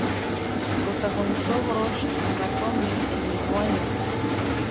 Protagonizó "Gross Anatomy" el mismo año.